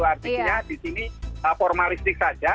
artinya di sini formalistik saja